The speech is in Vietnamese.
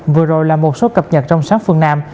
vừa rồi là một số cập nhật trong sáng phương nam